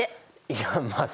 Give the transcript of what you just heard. いやまあ